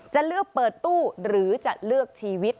จะเลือกเปิดตู้หรือจะเลือกชีวิต